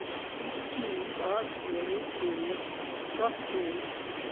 These keys are very curious structures.